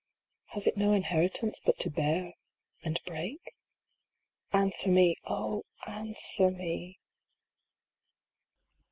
Has it no inheritance but to bear and break ? Answer me Oh, answer me